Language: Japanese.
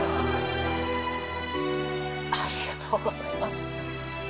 ありがとうございます。